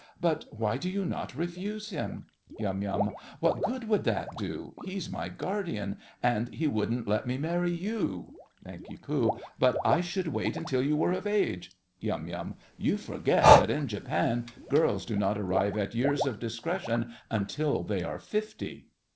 But why do you not refuse him? YUM. What good would that do? He's my guardian, and he wouldn't let me marry you! NANK. But I would wait until you were of age! YUM. You forget that in Japan girls do not arrive at years of discretion until they are fifty.